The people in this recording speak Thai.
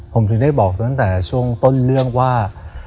ผมถึงได้บอกตั้งแต่ช่วงต้นเรื่องว่า